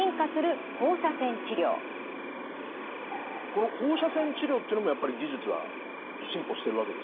この放射線治療っていうのもやっぱり技術は進歩してるわけですか？